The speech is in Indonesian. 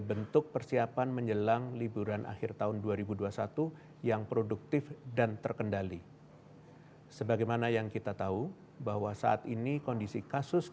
untuk mencegah importasi kasus